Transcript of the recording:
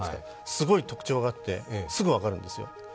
すごい特徴があってすぐ分かるんですよ。